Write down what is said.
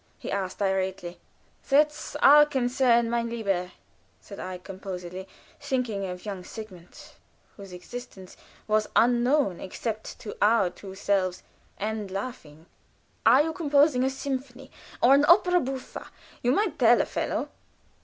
he asked, irately. "That's our concern, mein lieber," said I, composedly, thinking of young Sigmund, whose existence was unknown except to our two selves, and laughing. "Are you composing a symphony? or an opera buffa? You might tell a fellow."